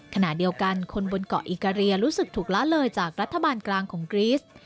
ขณะเดียวกันคนบนเกาะอิกาเรียรู้สึกถูกละเลยจากรัฐบาลกลางของกรีส